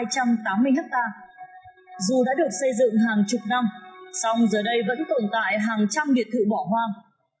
dù đã được xây dựng hàng chục năm song giờ đây vẫn tồn tại hàng trăm biệt thự bỏ hoang